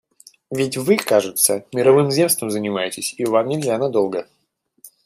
Ведь вы, кажется, мировым земством занимаетесь, и вам нельзя надолго.